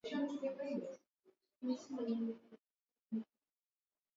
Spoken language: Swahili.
waliunga mkono kuondoka katika kundi hilo walilojiunga